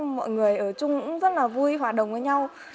mọi người ở chung cũng rất là vui hòa đồng với nhau